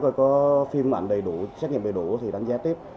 và có phim ảnh đầy đủ xét nghiệm đầy đủ thì đánh giá tiếp